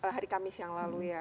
hari kamis yang lalu ya